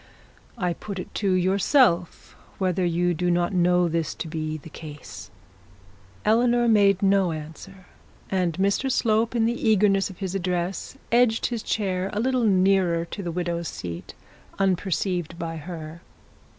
I put it to yourself whether you do not know this to be the case.' Eleanor made no answer, and Mr Slope, in the eagerness of his address, edged his chair a little nearer to the widow's seat, unperceived by her.